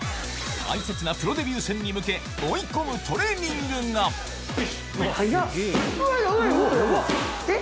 大切なプロデビュー戦に向け追い込むトレーニングが速っ！